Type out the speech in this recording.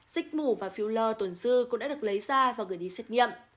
dịch mù và filler tổn dư cũng đã được lấy ra và gửi đi xét nghiệm